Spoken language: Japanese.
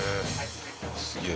すげえ！